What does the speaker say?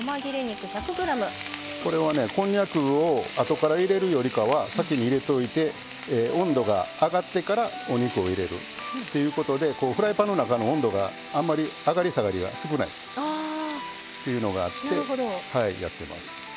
こんにゃくをあとから入れるよりは先に入れておいて温度が上がってからお肉を入れるっていうことでフライパンの中の温度があんまり上がり下がりが少ないっていうのがあってやってます。